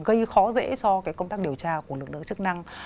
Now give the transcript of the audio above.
gây khó dễ cho công tác điều tra của lực lượng chức năng